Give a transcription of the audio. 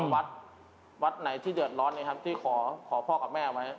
แล้วก็วัดไหนที่เดือดร้อนที่ขอพ่อกับแม่ไว้